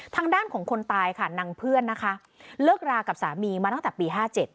ทางด้านของคนตายค่ะนางเพื่อนนะคะเลิกรากับสามีมาตั้งแต่ปี๕๗